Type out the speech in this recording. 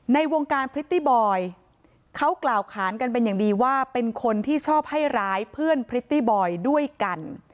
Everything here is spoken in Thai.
ในวงการพริตตี้บอยเขากล่าวขานกันเป็นอย่างดีว่าเป็นคนที่ชอบให้ร้ายเพื่อนพริตตี้บอยด้วยกัน